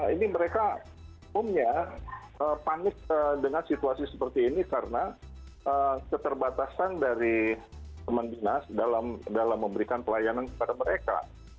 ini mereka umumnya panik dengan situasi seperti ini karena keterbatasan dari teman dinas dalam memberikan pelayanan kepada mereka